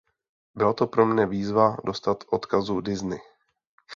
Byla to pro mne výzva dostát odkazu Disney.